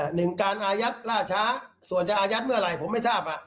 หนึ่งการอายัดล่าช้าส่วนจะอายัดเมื่อไหร่ผมไม่ทราบ